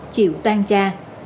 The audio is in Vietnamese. chịu tan cha